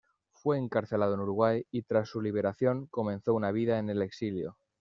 Fue encarcelado en Uruguay y tras su liberación comenzó una vida en el exilio.